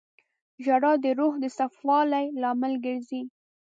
• ژړا د روح د صفا والي لامل ګرځي.